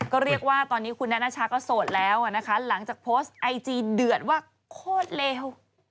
ก็เรียกว่าตอนนี้คุณนานาชาก็โสดแล้วนะคะหลังจากโพสต์ไอจีเดือดว่าโคตรเลว